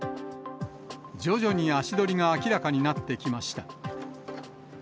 徐々に足取りが明らかになってきました。